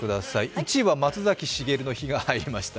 １位は松崎しげるの日が入りました。